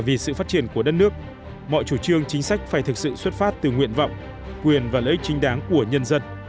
vì sự phát triển của đất nước mọi chủ trương chính sách phải thực sự xuất phát từ nguyện vọng quyền và lợi ích chính đáng của nhân dân